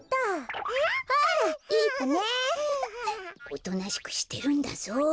おとなしくしてるんだぞ。